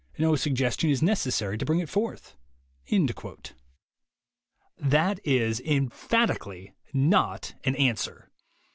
No suggestion is necessary to bring it forth." That is emphatically not an answer.